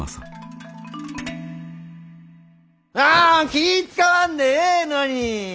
気ぃ遣わんでええのに！